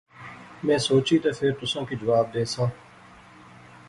میں سوچی تے فیر تساں کی جواب دیساں